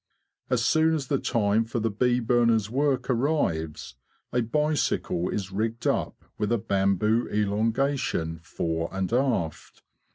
As soon as the time for the bee burners' work arrives, a bicycle is rigged up with a bamboo elongation fore and aft.